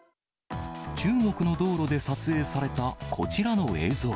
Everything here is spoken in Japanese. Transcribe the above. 中国の道路で撮影されたこちらの映像。